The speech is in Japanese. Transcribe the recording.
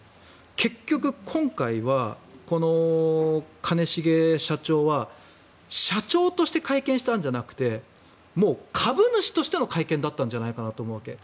結局、今回は兼重社長は社長として会見したんじゃなくてもう株主としての会見だったのではと思うわけ。